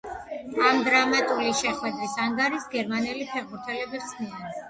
ამ დრამატული შეხვედრის ანგარიშს გერმანელი ფეხბურთელები ხსნიან.